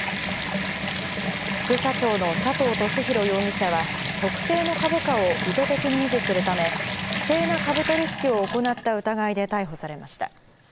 副社長の佐藤俊弘容疑者は、特定の株価を意図的に維持するため、不正な株取り引きを行った疑いで逮捕されました。